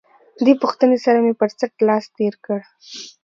دې پوښتنې سره مې پر څټ لاس تېر کړ.